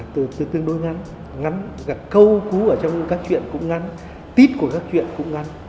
từ tương đối ngắn ngắn cả câu cũ ở trong các chuyện cũng ngắn tít của các chuyện cũng ngắn